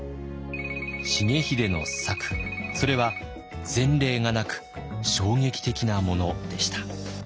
重秀の策それは前例がなく衝撃的なものでした。